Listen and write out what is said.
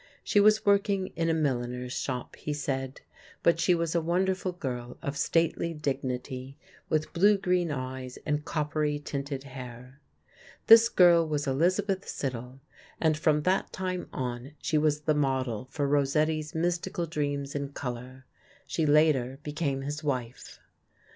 She was working in a milliner's shop, he said; but she was a wonderful girl of stately dignity, with blue green eyes and coppery tinted hair. This girl was Elizabeth Siddal, and from that time on she was the model for Rossetti's mystical dreams in color. She later became his wife.